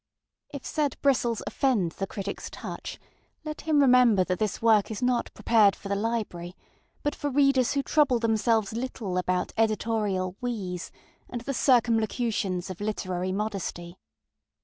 If said bristles offend the criticŌĆÖs touch, let him remember that this work is not prepared for the library, but for readers who trouble themselves little about editorial ŌĆ£weŌĆÖsŌĆØ and the circumlocutions of literary modesty.